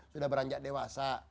sudah beranjak dewasa